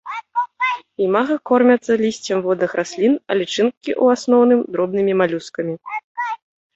Імага кормяцца лісцем водных раслін, а лічынкі ў асноўным дробнымі малюскамі.